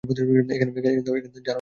এখানে জারণ ও বিজারণ যুগপৎ ঘটেছে।